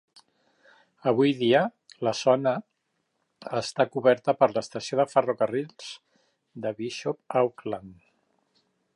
Avui dia, la zona està coberta per l'estació de ferrocarrils de Bishop Auckland.